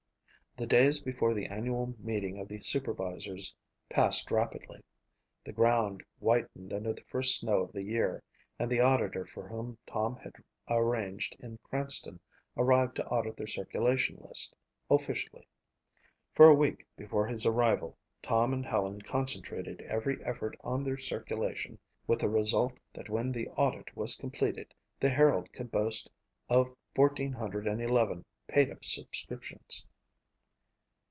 The days before the annual meeting of the supervisors passed rapidly. The ground whitened under the first snow of the year and the auditor for whom Tom had arranged in Cranston arrived to audit their circulation list officially. For a week before his arrival Tom and Helen concentrated every effort on their circulation with the result that when the audit was completed the Herald could boast of 1,411 paid up subscriptions.